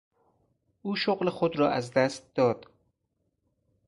او شغل خود را از دست داد.